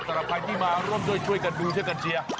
สำหรับใครที่มาร่วมด้วยช่วยกันดูช่วยกันเชียร์